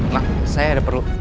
mak saya ada perlu